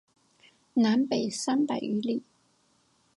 南北三百余里。